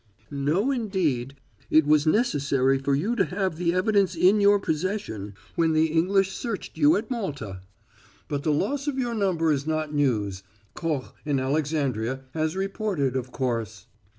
"No, indeed. It was necessary for you to have the evidence of your profession when the English searched you at Malta. But the loss of your number is not news; Koch, in Alexandria, has reported, of course."